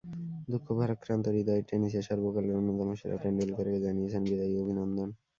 দুঃখ ভারাক্রান্ত হূদয়ে টেনিসের সর্বকালের অন্যতম সেরা টেন্ডুলকারকে জানিয়েছেন বিদায়ী অভিনন্দন।